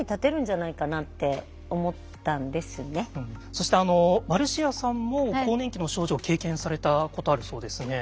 そしてマルシアさんも更年期の症状を経験されたことあるそうですね。